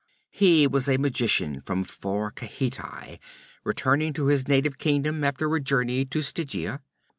'He was a magician from far Khitai, returning to his native kingdom after a journey to Stygia.